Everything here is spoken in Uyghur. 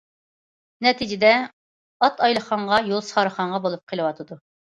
نەتىجىدە،« ئات ئايلىخانغا، يول سارىخانغا» بولۇپ قېلىۋاتىدۇ.